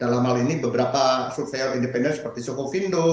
dalam hal ini beberapa surveyor independen seperti soekofindo